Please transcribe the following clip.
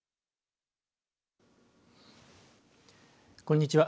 こんにちは。